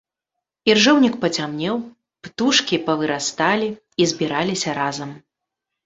Іржэўнік пацямнеў, птушкі павырасталі і збіраліся разам.